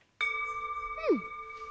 うん。